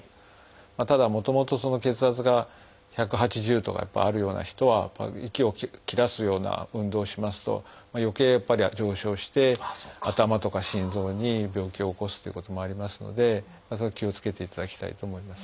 ただもともと血圧が１８０とかあるような人は息を切らすような運動をしますとよけいやっぱり上昇して頭とか心臓に病気を起こすということもありますのでそれは気をつけていただきたいと思いますね。